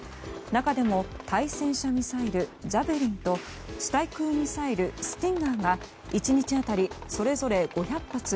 中でも対戦車ミサイル「ジャベリン」と地対空ミサイル「スティンガー」が１日当たりそれぞれ５００発